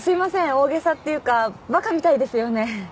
大げさっていうかバカみたいですよね